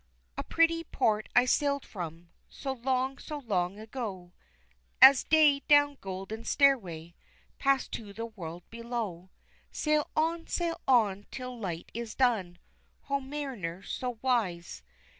A pretty port I sailed from, So long, so long ago, As day, down golden stairway, Passed to the world below. Sail on! Sail on! till light is done, Ho mariner, so wise!